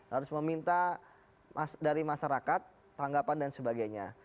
harus meminta dari masyarakat tanggapan dan sebagainya